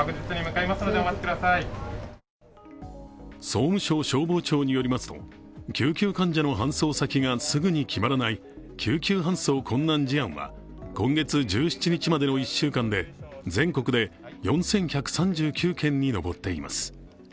総務省消防庁によりますと、救急患者の搬送先がすぐに決まらない救急搬送困難事案は今月１７日までの１週間で全国に４１３９件まで上っています。